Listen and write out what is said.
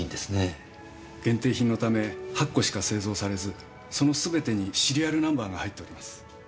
限定品のため８個しか製造されずそのすべてにシリアルナンバーが入っております。